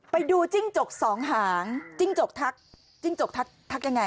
ไปดูจิ้งจก๒หางจิ้งจกทักจิ้งจกทักทักอย่างไร